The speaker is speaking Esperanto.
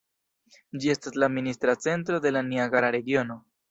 Ĝi estas la administra centro de la Niagara regiono.